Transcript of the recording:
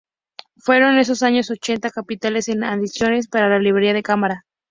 Fueron esos años ochenta capitales en adquisiciones para la Librería de Cámara.